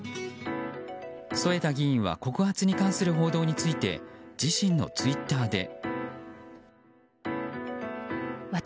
添田議員は告発に関する報道について自身のツイッターで。